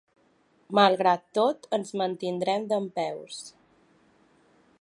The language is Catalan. Malgrat tot, ens mantindrem dempeus.